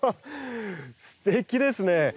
すてきですね。